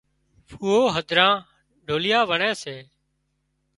ڦوئو هڌرا ڍوليئا وڻي سي